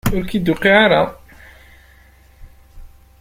Ur ak-d-tuqiɛ ara?